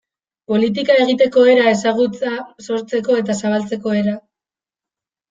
Politika egiteko era, ezagutza sortzeko eta zabaltzeko era...